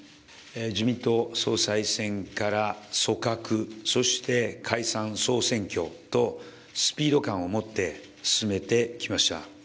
自民党総裁選から組閣、そして解散・総選挙と、スピード感をもって進めてきました。